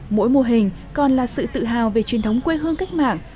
mỗi mô hình còn là sự tự hào về truyền thống quê hương cách mạng